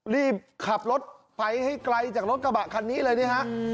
รีบขับรถไปให้ไกลจากรถกระบะคันนี้เลยนี่ฮะ